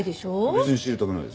別に知りたくないです。